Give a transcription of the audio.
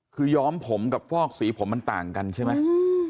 คือย้อมผมกับฟอกสีผมมันต่างกันใช่ไหม